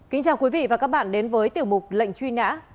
kính chào quý vị và các bạn đến với tiểu mục lệnh truy nã